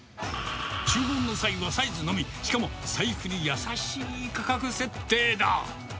注文の際はサイズのみ、しかも財布に優しい価格設定だ。